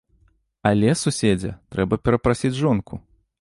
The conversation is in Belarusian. Але, суседзе, трэба перапрасіць жонку!